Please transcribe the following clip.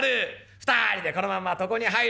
２人でこのまんま床に入る。